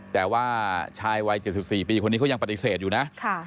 แต่ว่าชายวัย๗๔ปีคนนี้เขายังปฏิเสธอยู่นะ